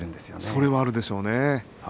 それはあるでしょうね。